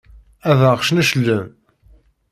Ad aɣ-cneclen!